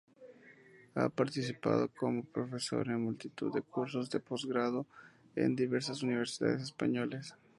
Ha participado como profesor en multitud de cursos de postgrado en diversas universidades españolas.